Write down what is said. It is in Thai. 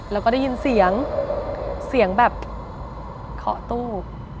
เราก็ได้ยินเสียงเสียงแบบขอตู้